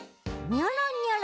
ニョロニョロ？